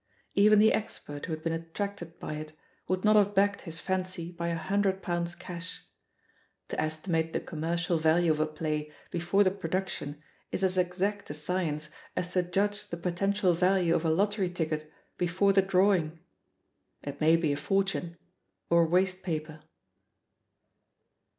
Even the expert who had been attracted by it would not have backed his fancy by a hundred pounds cash. To estimate the conunercial value of a play before the pro duction is as exact a science as to judge the po tential value of a lottery ticket before the draw ing — ^it may be a fortune, or wastepaper.